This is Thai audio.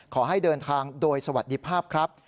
ขอให้เดินทางโดยสวัสดีภาพครับ